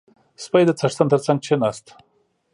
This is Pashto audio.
• سپی د څښتن تر څنګ کښېناست.